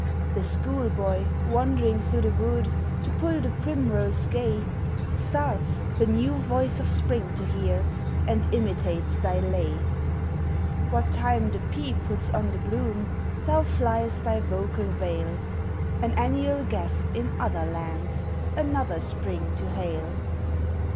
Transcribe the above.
The school boy, wandering through the wood To pull the primrose gay, Starts, the new yoice of Spring to hear, And imitates thy lay. What time the pea puts on the bloom, Thou fliest thy vocal vale, An annual guest in other lands, Another spring to hail.